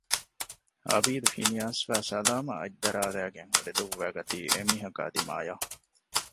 އަބީދު ހިނިއައިސްފައި ސަލާމަށް އަތްދަރާލައިގެން ހުރެ ދުއްވައިގަތީ އެމީހަކާ ދިމާޔަށް